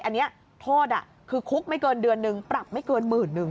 อันนี้โทษคือคุกไม่เกินเดือนนึงปรับไม่เกินหมื่นนึง